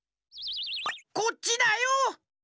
こっちだよ！